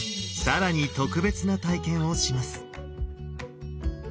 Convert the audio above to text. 更に特別な体験をします。